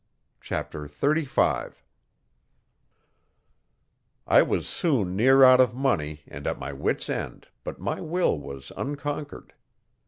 Chapter 35 I was soon near out of money and at my wit's end, but my will was unconquered.